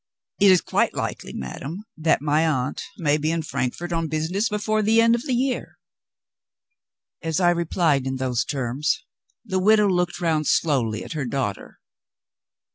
"It is quite likely, madam, that my aunt may be in Frankfort on business before the end of the year." As I replied in those terms the widow looked round slowly at her daughter.